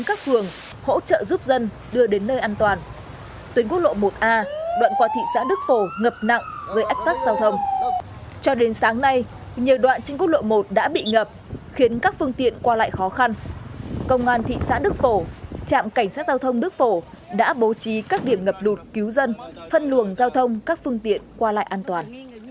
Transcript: công an thị xã đức phổ trạm cảnh sát giao thông đức phổ đã bố trí các điểm ngập lụt cứu dân phân luồng giao thông các phương tiện qua lại an toàn